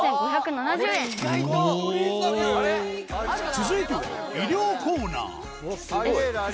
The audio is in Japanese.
続いては衣料コーナー